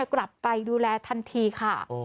กลับไปดูแลทันทีค่ะ